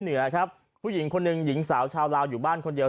เหนือครับผู้หญิงคนหนึ่งหญิงสาวชาวลาวอยู่บ้านคนเดียว